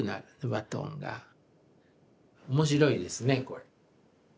面白いですねこれ。